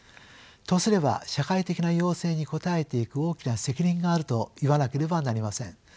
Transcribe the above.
とすれば社会的な要請に応えていく大きな責任があるといわなければなりません。